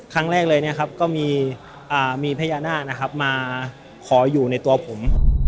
ครั้งแรกเลยก็มีพญานาศมาขออยู่ในตัวผม